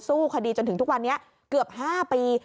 สู้คดีจนถึงทุกวันนี้เกือบ๕ปี